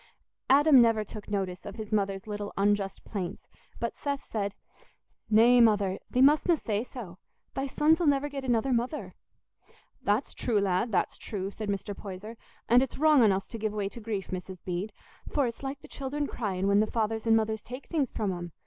Adam never took notice of his mother's little unjust plaints; but Seth said, "Nay, Mother, thee mustna say so. Thy sons 'ull never get another mother." "That's true, lad, that's true," said Mr. Poyser; "and it's wrong on us to give way to grief, Mrs. Bede; for it's like the children cryin' when the fathers and mothers take things from 'em.